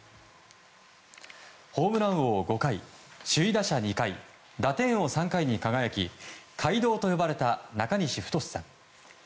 ホームラン王５回首位打者２回、打点王３回に輝き怪童と呼ばれた中西太さん。